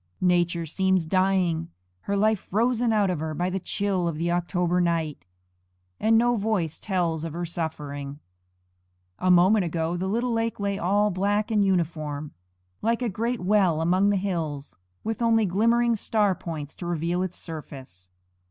Nature seems dying, her life frozen out of her by the chill of the October night; and no voice tells of her suffering. A moment ago the little lake lay all black and uniform, like a great well among the hills, with only glimmering star points to reveal its surface.